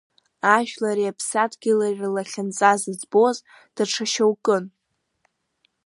Ажәлари Аԥсадгьыли рлахьынҵа зыӡбоз даҽашьоукын…